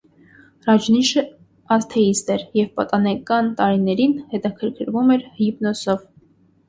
Ռաջնիշը աթեիստ էր և պատանեկան տարիներին հետաքրքրվում էր հիպնոսով։